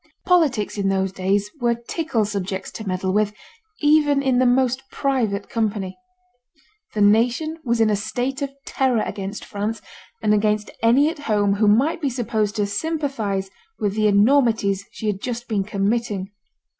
Politics in those days were tickle subjects to meddle with, even in the most private company. The nation was in a state of terror against France, and against any at home who might be supposed to sympathise with the enormities she had just been committing.